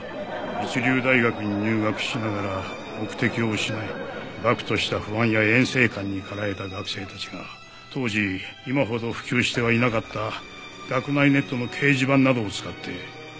一流大学に入学しながら目的を失い漠とした不安や厭世観に駆られた学生たちが当時今ほど普及してはいなかった学内ネットの掲示板などを使って少しずつ集まった。